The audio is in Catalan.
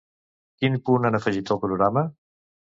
Quin punt han afegit al programa?